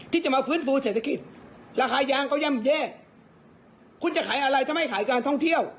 ที่จะมาฟื้นฟูเศรษฐกิจราคายางก็ย่ำแย่คุณจะขายอะไรถ้าไม่ขายการท่องเที่ยว